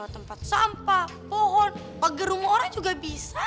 tempat sampah pohon pegerung orang juga bisa